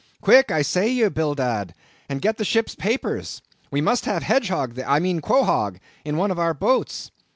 "Quick, I say, you Bildad, and get the ship's papers. We must have Hedgehog there, I mean Quohog, in one of our boats.